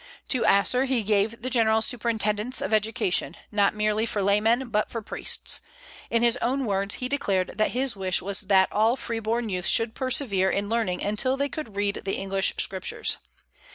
To Asser he gave the general superintendence of education, not merely for laymen, but for priests. In his own words, he declared that his wish was that all free born youth should persevere in learning until they could read the English Scriptures.